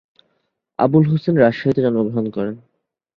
আবুল হোসেন রাজশাহীতে জন্মগ্রহণ করেন।